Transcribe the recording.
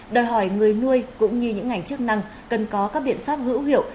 đòi hỏi người nuôi cũng như những ngành chức năng cần có các biện pháp hữu hiệu